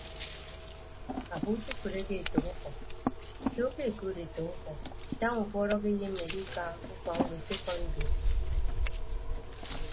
Afo usufreke etәk mkpọ nsoo ke okood etәk mkpọ daña ufuọd akeyemme adika ufọk ñwed sekọndri.